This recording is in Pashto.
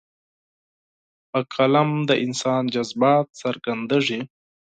په قلم د انسان جذبات څرګندېږي.